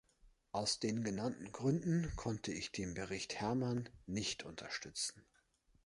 Aus den genannten Gründen konnte ich den Bericht Herman nicht unterstützen.